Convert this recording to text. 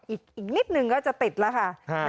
อีกนิดนึงก็จะติดแล้วค่ะ